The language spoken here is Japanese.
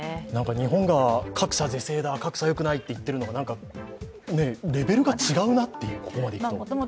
日本が格差是正だ、格差よくないと言っているのが、レベルが違うなっていうここまでいくと。